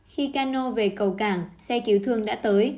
khi cano về cầu cảng xe cứu thương đã tới